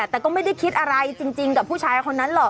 แต่ก็ไม่ได้คิดอะไรจริงกับผู้ชายคนนั้นหรอก